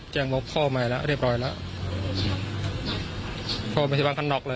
แจ้งพ่อมาเรียบร้อยแล้ว